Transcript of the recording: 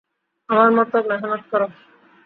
আমার মতো, মেহনত করো!